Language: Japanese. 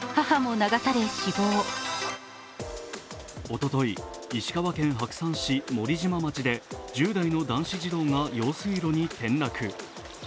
おととい石川県白山市森島町で１０代の男子児童が用水路に転落。